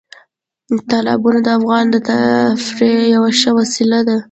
تالابونه د افغانانو د تفریح یوه ښه وسیله ده.